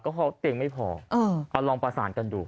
ก็พอเตียงไม่พอเอาลองประสานกันดู